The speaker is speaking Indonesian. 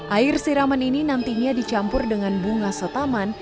air siraman ini nantinya dicampur dengan bunga setaman